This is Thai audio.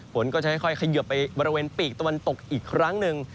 ฝนก็จะค่อยเขยิบไปบริเวณปีกตะวันตกอีกครั้งหนึ่ง